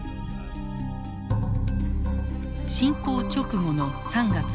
侵攻直後の３月初め